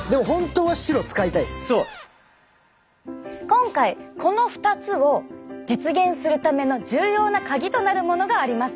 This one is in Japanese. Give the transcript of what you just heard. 今回この２つを実現するための重要なカギとなるものがあります。